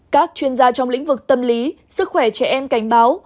các chuyên gia trong lĩnh vực tâm lý sức khỏe trẻ em cảnh báo